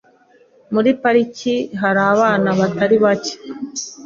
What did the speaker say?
Muri parike hari abana batari bake.